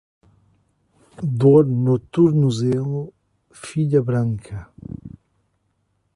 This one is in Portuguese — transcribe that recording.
Dor no tornozelo, filha branca.